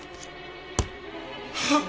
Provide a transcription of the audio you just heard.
あっ。